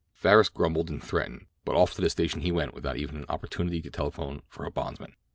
Farris grumbled and threatened, but off to the station he went without even an opportunity to telephone for a bondsman.